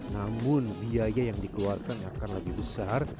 namun biaya yang dikeluarkan akan lebih besar